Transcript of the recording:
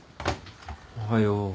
おはよう。